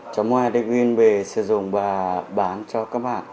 cháu mua hai đếch viên về sử dụng và bán cho các bạn